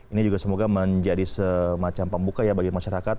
ini juga semoga menjadi semacam pembuka ya bagi masyarakat